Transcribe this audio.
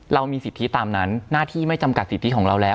เรามีสิทธิตามนั้นหน้าที่ไม่จำกัดสิทธิของเราแล้ว